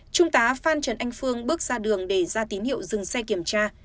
trung tá phan trần anh phương bước ra đường để ra tín hiệu dừng xe kiểm tra